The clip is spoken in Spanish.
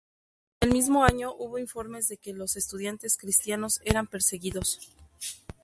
En el mismo año, hubo informes de que los estudiantes cristianos eran perseguidos.